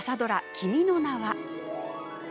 「君の名は」。